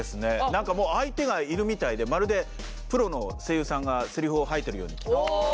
何か相手がいるみたいでまるでプロの声優さんがセリフを吐いてるように聞こえました。